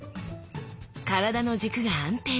体の軸が安定！